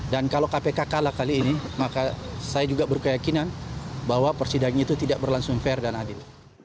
dan kalau kpk kalah kali ini maka saya juga berkeyakinan bahwa persidangnya itu tidak berlangsung fair dan adil